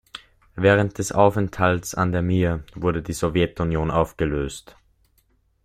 Während des Aufenthalts an der Mir wurde die Sowjetunion aufgelöst.